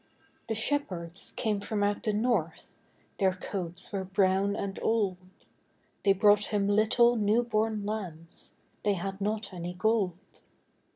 The shepherds came from out the north, Their coats were brown and old, They brought Him little new born lambs They had not any gold.